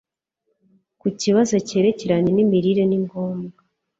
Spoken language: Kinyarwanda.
Ku kibazo cyerekeranye nimirire ni ngombwa